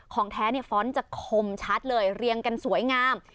ของแท้ฟ้อนต์จะคมชัดเลยเรียงกันสวยงาม